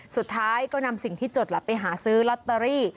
สุดท้ายก็นำสิ่งที่จดแหละไปหาซื้อลอตเตอรี่